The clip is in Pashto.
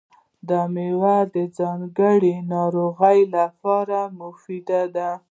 دا مېوه د ځیګر ناروغیو لپاره مفیده ده.